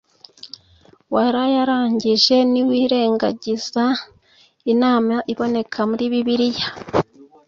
warayarangije Niwirengagiza inama iboneka muri Bibiliya